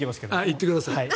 行ってください。